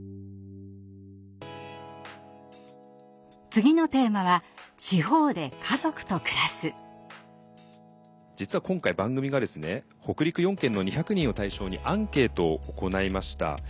次のテーマは実は今回番組が北陸４県の２００人を対象にアンケートを行いました。